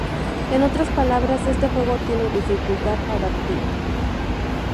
En otras palabras, este juego tiene "dificultad adaptativa".